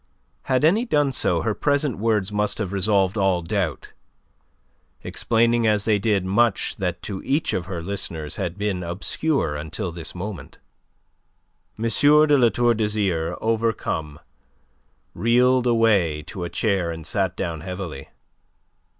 Had any done so her present words must have resolved all doubt, explaining as they did much that to each of her listeners had been obscure until this moment. M. de La Tour d'Azyr, overcome, reeled away to a chair and sat down heavily.